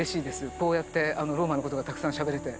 こうやってローマのことがたくさんしゃべれて。